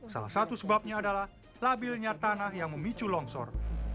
salah satu sebabnya adalah labilnya tanah yang memicu longsor